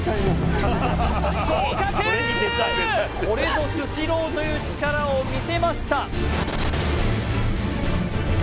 これぞスシローという力を見せました